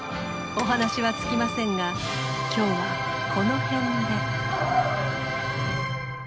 お話は尽きませんが今日はこの辺で。